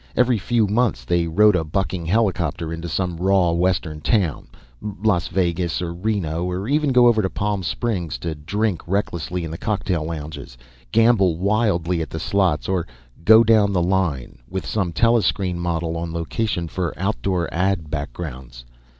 Every few months they rode a bucking helicopter into some raw western town Las Vegas, or Reno, or even over to Palm Springs to drink recklessly in the cocktail lounges, gamble wildly at the slots, or "go down the line" with some telescreen model on location for outdoor ad backgrounds.